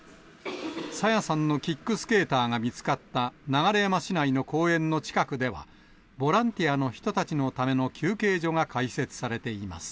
朝芽さんのキックスケーターが見つかった、流山市内の公園の近くでは、ボランティアの人たちのための休憩所が開設されています。